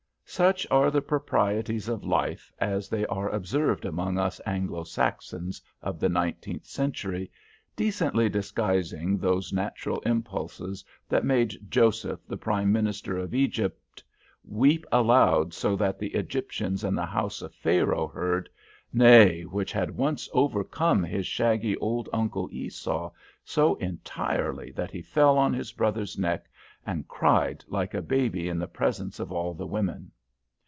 Such are the proprieties of life, as they are observed among us Anglo Saxons of the nineteenth century, decently disguising those natural impulses that made Joseph, the Prime Minister of Egypt, weep aloud so that the Egyptians and the house of Pharaoh heard, nay, which had once overcome his shaggy old uncle Esau so entirely that he fell on his brother's neck and cried like a baby in the presence of all the women.